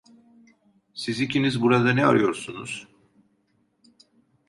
Siz ikiniz burada ne arıyorsunuz?